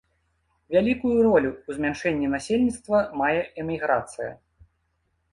Вялікую ролю ў змяншэнні насельніцтва мае эміграцыя.